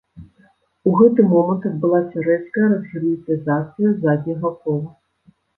У гэты момант адбылася рэзкая разгерметызацыя задняга кола.